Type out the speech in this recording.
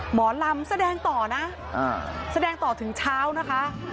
หมอลำแสดงต่อนะแสดงต่อถึงเช้านะคะ